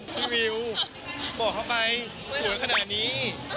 วิวบอกเขาไปสวยขนาดนี้